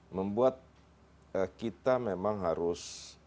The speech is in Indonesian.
membuat kita memang harus